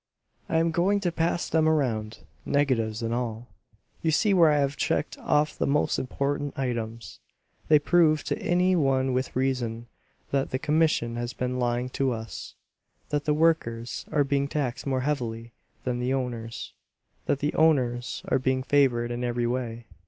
"I am going to pass them around, negatives and all. You see where I have checked off the most important items. They prove to any one with reason that the commission has been lying to us; that the workers are being taxed more heavily than the owners; that the owners are being favored in every way.